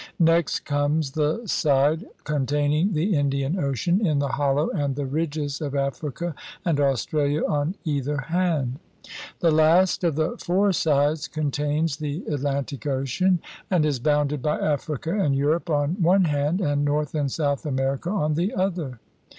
Next comes the side containing the Indian Ocean in the hollow and the ridges of Africa and Australia on either hand. The last of the four sides contains the Atlantic Ocean and is bounded by Africa and Europe on one hand and North and South America on the other.